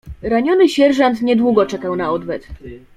"Raniony sierżant niedługo czekał na odwet."